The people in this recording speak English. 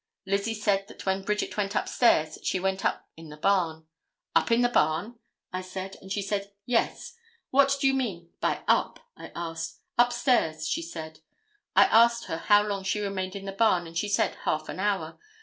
Lizzie said that when Bridget went up stairs she went up in the barn. 'Up in the barn?' I said, and she said 'Yes.' 'What do you mean by up?' I asked. 'Up stairs,' she said. I asked her how long she remained in the barn and she said half an hour.